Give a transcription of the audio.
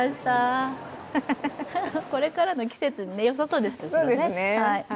これからの季節によさそうですけどね。